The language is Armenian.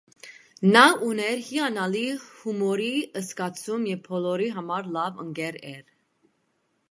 Նա ուներ հիանալի հումորի զգացում և բոլորի համար լավ ընկեր էր։